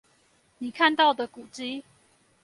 你看到的古蹟